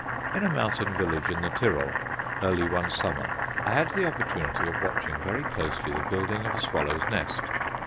In a mountain village in the Tyrol, early one summer, I had the opportunity of watching very closely the building of a swallow's nest.